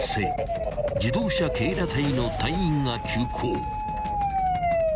［自動車警ら隊の隊員が急行］